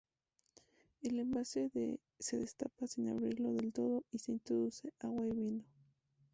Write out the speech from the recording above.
El Envase se destapa sin abrirlo del todo, y se introduce agua hirviendo.